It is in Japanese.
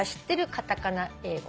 カタカナ英語。